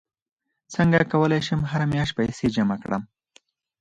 څنګه کولی شم هره میاشت پیسې جمع کړم